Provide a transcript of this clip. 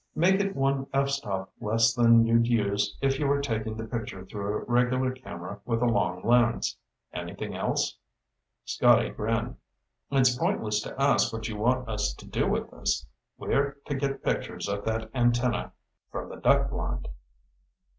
"Make it one f stop less than you'd use if you were taking the picture through a regular camera with a long lens. Anything else?" Scotty grinned. "It's pointless to ask what you want us to do with this. We're to get pictures of that antenna from the duck blind."